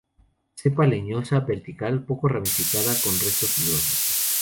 Cepa leñosa, vertical, poco ramificada, con restos fibrosos.